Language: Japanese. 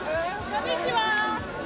・こんにちは！